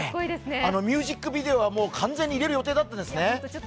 ミュージックビデオは完全に入れる予定だったんですね。